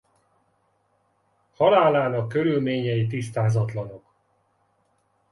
Halálának körülményei tisztázatlanok.